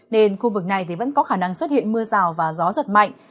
nên khu vực này vẫn có khả năng xuất hiện mưa rào và gió giật mạnh